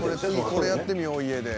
「これやってみよう家で」